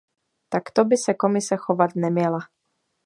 Takto by se Komise chovat neměla.